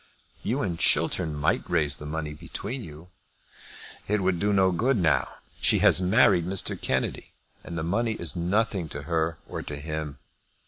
"You and Chiltern might raise the money between you." "It would do no good now. She has married Mr. Kennedy, and the money is nothing to her or to him.